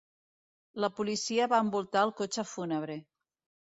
La policia va envoltar el cotxe fúnebre.